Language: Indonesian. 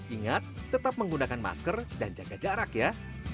ingat tetap menggunakan masker dan jaga jarak ya